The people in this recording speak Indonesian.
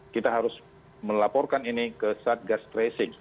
kita harus melaporkan ini ke satgas tracing